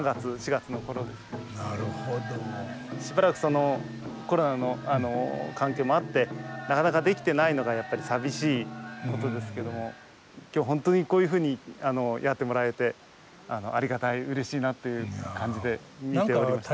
しばらくコロナの関係もあってなかなかできてないのがやっぱり寂しいことですけども今日本当にこういうふうにやってもらえてありがたいうれしいなという感じで。